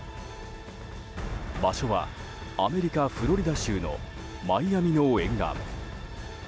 場所は、アメリカ・フロリダ州のマイアミの沿岸。